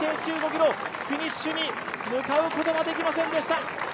フィニッシュに向かうことができませんでした。